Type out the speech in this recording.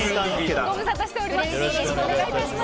ごぶさたしております。